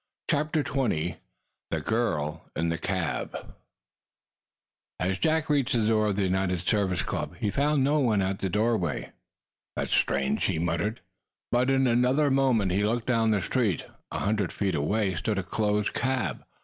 CHAPTER XX THE GIRL IN THE CAB As Jack reached the door of the United Service Club he found no one at the doorway. "That's strange," he muttered. But in another moment he looked down the street. A hundred feet away stood a closed cab.